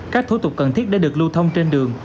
các thủ tục cần thiết để được lưu thông trên đường